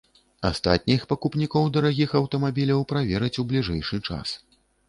Астатніх пакупнікоў дарагіх аўтамабіляў правераць у бліжэйшы час.